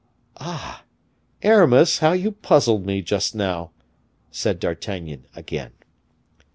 "Ah! Aramis, how you puzzled me just now!" said D'Artagnan again.